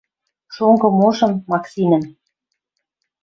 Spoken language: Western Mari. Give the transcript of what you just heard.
Шонгы мошым Максинӹм.